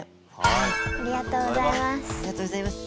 ありがとうございます。